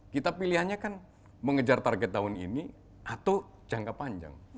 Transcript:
kita pilihannya kan mengejar target tahun ini atau jangka panjang